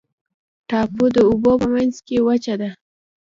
ټاپو د اوبو په منځ کې وچه ده.